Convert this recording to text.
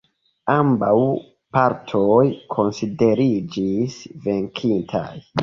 Ambaŭ partoj konsideriĝis venkintaj.